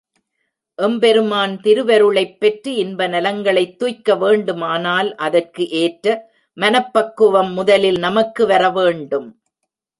எம்பெருமான் திருவருளைப் பெற்று இன்பநலங்களைத் துய்க்க வேண்டுமானால் அதற்கு எற்ற மனப்பக்குவம் முதலில் நமக்கு வர வேண்டும்.